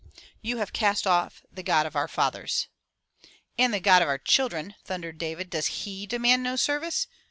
You have cast off the God of our Fathers/* "And the God of our children^ thundered David, "Does He demand no service?"